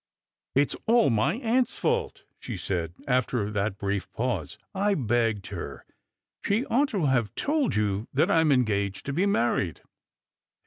" It's all my aunt's fault," she said, after that brief pause; " I begged her— she ought to have told you that I am engaged to be married."